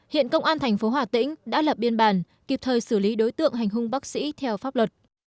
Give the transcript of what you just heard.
hiện công an tp hòa tĩnh đã lập biên bản kịp thời xử lý đối tượng hành hung bác sĩ theo pháp luật